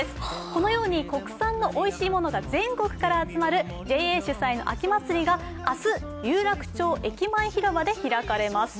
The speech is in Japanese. このように、国産のおいしいものが全国から集まるＪＡ主催の秋まつりが明日、有楽町駅前広場で開かれます。